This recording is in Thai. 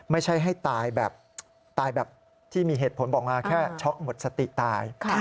ไม่ใช่ให้ตายแบบตายแบบที่มีเหตุผลบอกมาแค่ช็อกหมดสติตาย